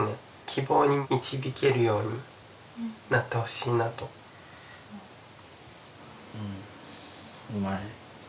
希望に導けるようになってほしいなとうん生まれ